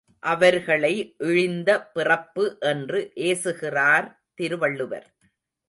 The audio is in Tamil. அவர்களை இழிந்த பிறப்பு என்று ஏசுகிறார் திருவள்ளுவர்.